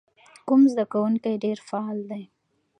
کوم زده کوونکی ډېر فعال دی؟